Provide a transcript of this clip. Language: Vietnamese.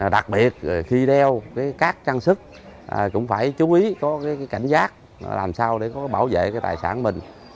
đặc biệt khi đeo các trang sức cũng phải chú ý có cảnh giác làm sao để có bảo vệ cái tài sản mình